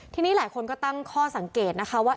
ทีนี้หลายคนก็ตั้งข้อสังเกตนะคะว่า